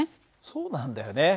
そうなんだよね。